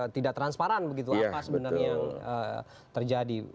tidak transparan begitu apa sebenarnya yang terjadi